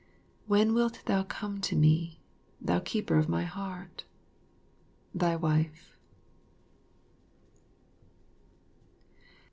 When wilt thou come to me, thou keeper of my heart? Thy Wife.